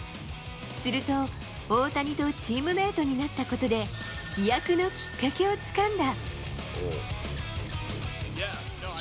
すると大谷とチームメートになったことで、飛躍のきっかけを掴んだ。